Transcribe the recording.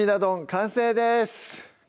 完成です